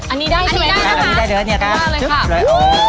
อันนี้ได้ใช่ไหมคะใช้ได้เลยค่ะชุบโหโห